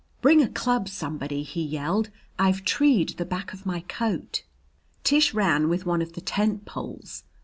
"Bring a club, somebody," he yelled. "I've treed the back of my coat." Tish ran with one of the tent poles.